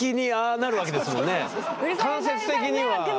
間接的には俺が。